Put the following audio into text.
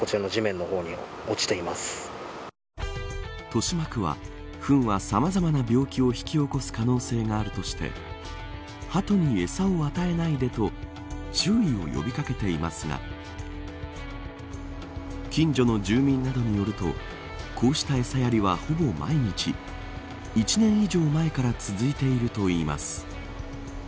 豊島区は、ふんはさまざまな病気を引き起こす可能性があるとしてハトに餌を与えないでと注意を呼び掛けていますが近所の住民などによるとこうした餌やりは、ほぼ毎日１年以上前から続いてるといいます。